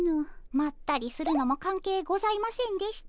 まったりするのも関係ございませんでした。